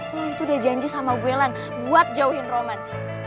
lo itu udah janji sama gue luan buat jauhin roman